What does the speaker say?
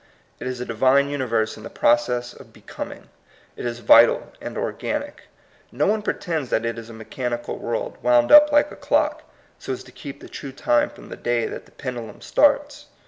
It is a Divine universe in the process of becoming ; it is vital and organic. No one pretends that it is a mechanical world, wound up like a clock, so as to keep the true time from the day that the pendu lum starts.